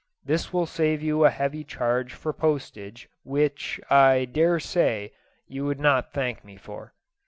This will save you a heavy charge for postage, which, I dare say, you would not thank me for.